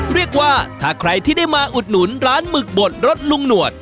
เรียกว่าถ้าใครที่ได้มาอุดหนุนร้านหมึกบดรสลุงหนวด